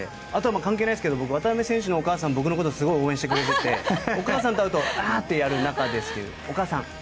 あとは関係ないですけど渡邊選手のお母さんが僕のことをすごい応援してくれていてお母さんと会うとあーってやる仲です。